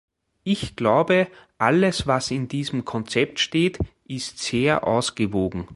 Ich glaube, alles was in diesem Konzept steht, ist sehr ausgewogen.